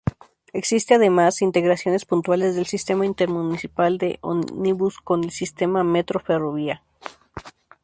Existe, además, integraciones puntuales del sistema intermunicipal de Ómnibus con el sistema metro-ferrovía.